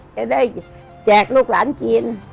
จะได้แจกลูกหลานจีน